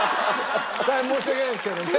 大変申し訳ないですけどね。